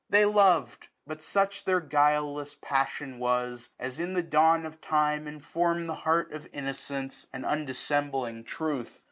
They lov'd : But such their guileless passion was. As in the dawn of time inform'd the heart SUMMER. Of innocence, and undissembling truth.